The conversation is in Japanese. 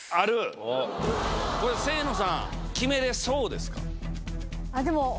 清野さん決めれそうですか？